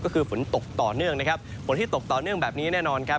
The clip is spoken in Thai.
ก็คือฝนตกต่อเนื่องนะครับฝนที่ตกต่อเนื่องแบบนี้แน่นอนครับ